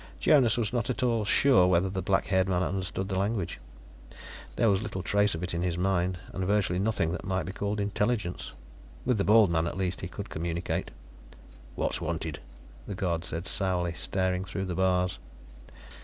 Jonas was not at all sure whether the black haired man understood language: there was little trace of it in his mind, and virtually nothing that might be called intelligence. With the bald man, at least, he could communicate. "What's wanted?" the guard said sourly, staring through the bars.